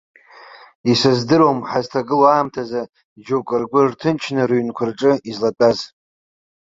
Исыздыруам ҳазҭагылоу аамҭазы џьоукы ргәы рҭынчны рыҩнқәа рҿы излатәаз!